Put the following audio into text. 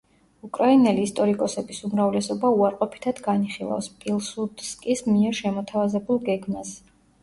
უკრაინელი ისტორიკოსების უმრავლესობა უარყოფითად განიხილავს, პილსუდსკის მიერ შემოთავაზებულ გეგმას.